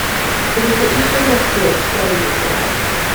It is the easternmost bridge spanning the canal.